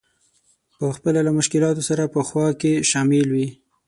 په خپله له مشکلاتو سره په خوا کې شامل وي.